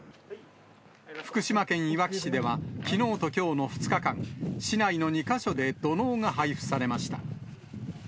福島県いわき市では、きのうときょうの２日間、市内の２か所で土のうが配布されました。